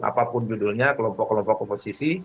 apapun judulnya kelompok kelompok oposisi